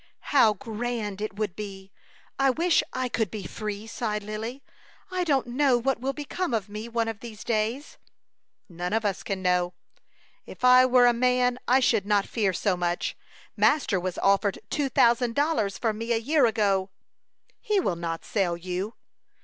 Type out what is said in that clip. "How grand it would be! I wish I could be free," sighed Lily. "I don't know what will become of me one of these days." "None of us can know." "If I were a man I should not fear so much. Master was offered two thousand dollars for me a year ago." "He will not sell you."